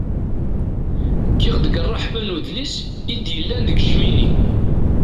Kkiɣ deg rreḥba n udlis i d-yellan deg Cmini.